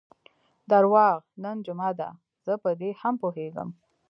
درواغ، نن جمعه ده، زه په دې هم پوهېږم.